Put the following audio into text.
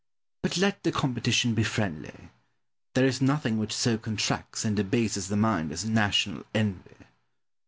But let the competition be friendly. There is nothing which so contracts and debases the mind as national envy.